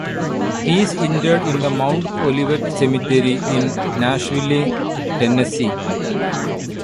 He is interred in the Mount Olivet Cemetery in Nashville, Tennessee.